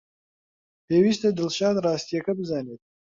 پێویستە دڵشاد ڕاستییەکە بزانێت.